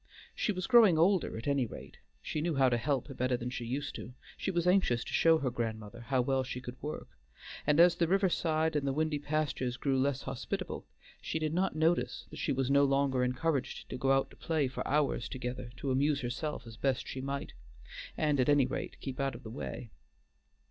She was growing older at any rate; she knew how to help better than she used; she was anxious to show her grandmother how well she could work, and as the river side and the windy pastures grew less hospitable, she did not notice that she was no longer encouraged to go out to play for hours together to amuse herself as best she might, and at any rate keep out of the way.